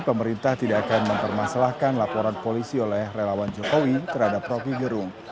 pemerintah tidak akan mempermasalahkan laporan polisi oleh relawan jokowi terhadap rocky gerung